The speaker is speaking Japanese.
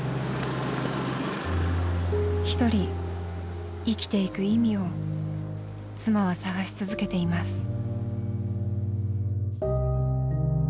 一人生きていく意味を妻は探し続けています。